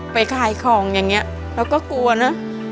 ไปขายของอย่างนี้เราก็กลัวนะ